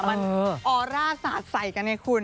มันออร่าสาดใส่กันไงคุณ